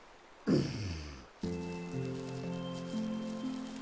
うん？